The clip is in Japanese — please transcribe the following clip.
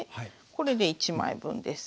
これで１枚分です。